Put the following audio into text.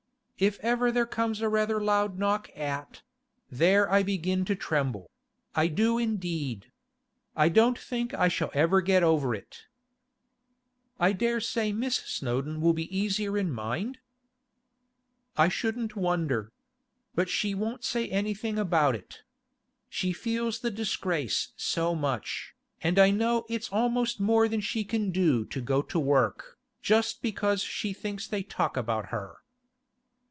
If ever there comes a rather loud knock at—there I begin to tremble; I do indeed. I don't think I shall ever get over it.' 'I dare say Miss Snowdon will be easier in mind?' 'I shouldn't wonder. But she won't say anything about it. She feels the disgrace so much, and I know it's almost more than she can do to go to work, just because she thinks they talk about her.